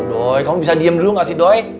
doi kamu bisa diem dulu gak sih doi